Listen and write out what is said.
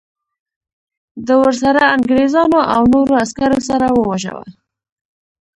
د ورسره انګریزانو او نورو عسکرو سره وواژه.